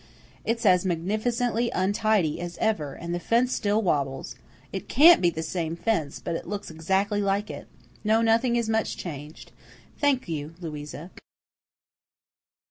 It's as magnificently untidy as ever, and the fence still wobbles. It CAN'T be the same fence, but it looks exactly like it. No, nothing is much changed. Thank you, Louisa."